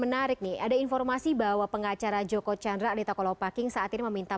menarik nih ada informasi bahwa pengacara joko chandra anita kolopaking saat ini meminta